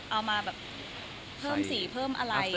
เอามาแบบเพิ่มสีเพิ่มอะไร